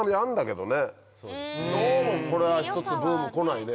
どうもこれはひとつブーム来ないね。